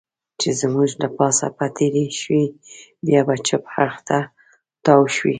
چې زموږ له پاسه به تېرې شوې، بیا به چپ اړخ ته تاو شوې.